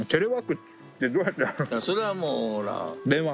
それはもうほら。